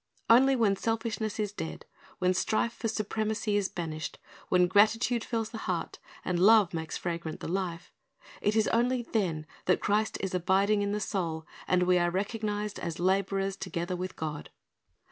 Only when selfishness is dead, when strife for supremacy is banished, when gratitude fills the heart, and love makes fragrant the life, — it is only then that Christ is abiding in the soul, and we are recognized as laborers together with God.